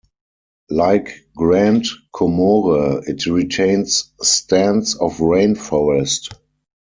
Like Grande Comore, it retains stands of rain forest.